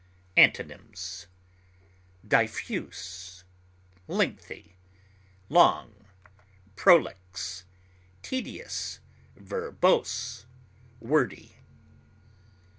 Antonyms: diffuse, lengthy, long, prolix, tedious, verbose, wordy.